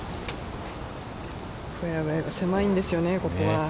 フェアウェイが狭いんですよね、ここは。